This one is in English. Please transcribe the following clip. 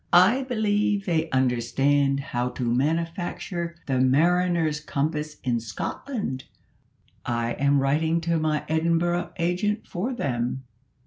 "I believe they understand how to manufacture the mariner's compass in Scotland I am writing to my Edinburgh agent for them."